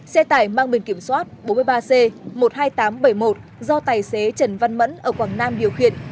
xe tải mang biển kiểm soát bốn mươi ba c một mươi hai nghìn tám trăm bảy mươi một do tài xế trần văn mẫn ở quảng nam điều khiển